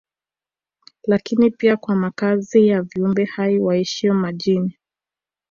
Lakini pia kwa makazi ya viumbe hai waishio majini